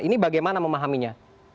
ini bagaimana memahaminya